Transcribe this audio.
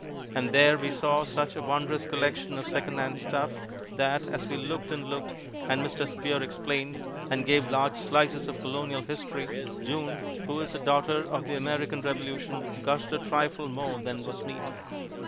And there we saw such a wondrous collection of secondhand stuff that, as we looked and looked, and Mr. Spear explained, and gave large slices of Colonial history, June, who is a Daughter of the American Revolution, gushed a trifle more than was meet.